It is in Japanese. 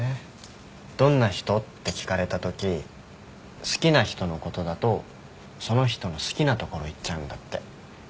「どんな人？」って聞かれたとき好きな人のことだとその人の好きなところ言っちゃうんだって。